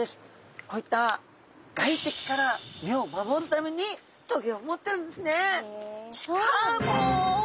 こういった外敵から身を守るために棘を持ってるんですね。